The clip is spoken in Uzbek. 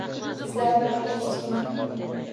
Qizlarim hali kichkina.